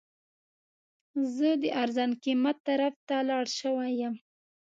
زه د ارزان قیمت طرف ته لاړ شوی یم.